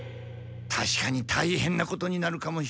たしかにたいへんなことになるかもしれん。